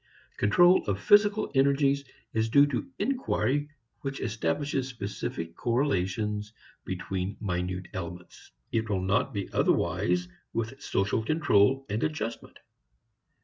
Control of physical energies is due to inquiry which establishes specific correlations between minute elements. It will not be otherwise with social control and adjustment.